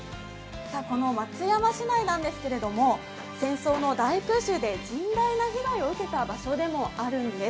松山市内なんですけど戦争の大空襲で甚大な被害を受けた場所でもあるんです。